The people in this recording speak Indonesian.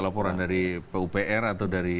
laporan dari pupr atau dari